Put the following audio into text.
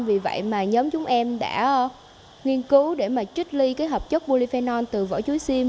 vì vậy mà nhóm chúng em đã nghiên cứu để mà trích ly cái hợp chất bolipenol từ vỏ chuối sim